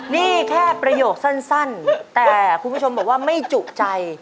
นี่แค่ประโยคสั้นแต่คุณผู้ชมบอกว่าไม่จุใจ